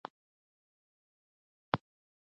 د هر چا نظر ته درناوی وکړئ.